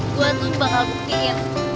gue tuh bakal buktiin